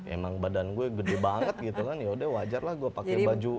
emang badan gue gede banget gitu kan yaudah wajar lah gue pakai baju lebih mahal gitu kan